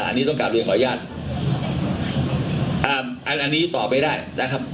อันนี้ต้องกลับเรียนขออนุญาตอ่าอันนี้ต่อไปได้นะครับ